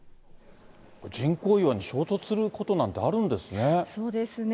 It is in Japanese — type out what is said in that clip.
人工岩に衝突することなんて、あるんですね？